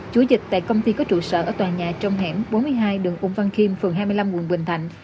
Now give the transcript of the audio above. chuỗi dịch tại công ty có trụ sở ở tòa nhà trong hẻm bốn mươi hai đường úng văn kim phường hai mươi năm quận bình thạnh